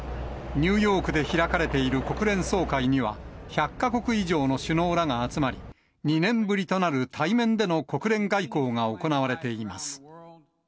ニューヨークで開かれている国連総会には、１００か国以上の首脳らが集まり、２年ぶりとなる対面での国連外交が行われています。